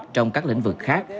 trong các lĩnh vực khác